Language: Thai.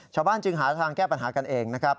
ชาวบ้านจึงหาทางแก้ปัญหากันเองนะครับ